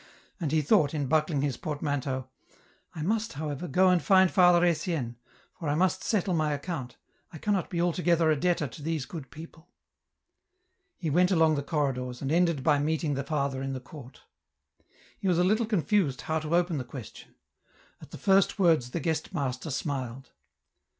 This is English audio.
And he thought in buckling his portmanteau, "I must however, go and find Father Etienne, for I must settle my account ; I cannot be altogether a debtor to these good people." He went along the corridors, and ended by meeting the father in the court . He was a little confused how to open the question ; at the first words the guest master smiled.